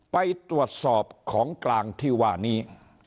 ไปตรวจสอบของกลางที่ว่านี้